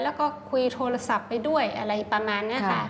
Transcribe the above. แล้วก็คุยโทรศัพท์ไปด้วยอะไรประมาณนี้ค่ะ